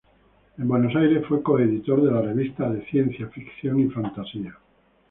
En Buenos Aires fue coeditor de "La revista de ciencia-ficción y fantasía".